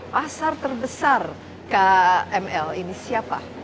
pasar terbesar kml ini siapa